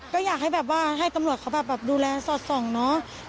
ก็อยากให้แบบว่าให้ตำรวจเขาแบบดูแลสอดส่องเนาะ